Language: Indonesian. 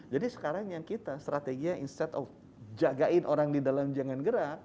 jadi sekarang yang kita strategi nya instead of jagain orang di dalam jangan gerak